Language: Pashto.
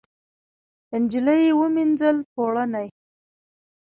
نجلۍ ومینځل پوړني